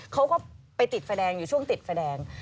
เขาก็ไปติดไฟแดงอยู่ช่วงติดไฟแดง